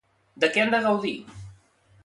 De què han de gaudir?